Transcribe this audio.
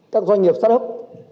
các doanh nghiệp sát hấp